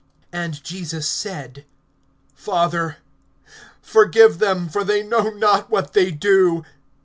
(34)And Jesus said: Father, forgive them; for they know not what they do.